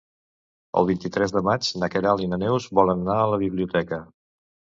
El vint-i-tres de maig na Queralt i na Neus volen anar a la biblioteca.